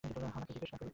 হা-না কে জিজ্ঞাসা করি।